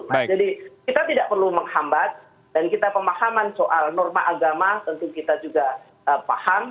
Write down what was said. jadi kita tidak perlu menghambat dan kita pemahaman soal norma agama tentu kita juga paham